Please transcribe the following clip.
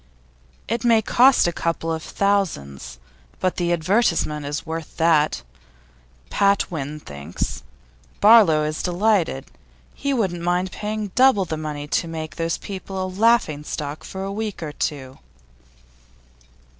'It may cost a couple of thousands, but the advertisement is worth that, Patwin thinks. Barlow is delighted; he wouldn't mind paying double the money to make those people a laughing stock for a week or two.